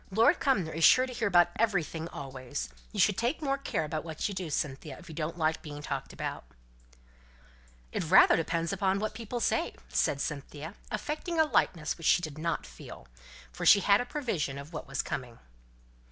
Lord Cumnor is sure to hear about everything always. You should take more care about what you do, Cynthia, if you don't like being talked about." "It rather depends upon what people say," said Cynthia, affecting a lightness which she did not feel; for she had a prevision of what was coming.